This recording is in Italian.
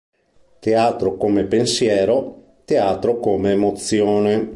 Teatro come pensiero, teatro come emozione.